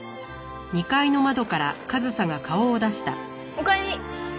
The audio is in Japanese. おかえり！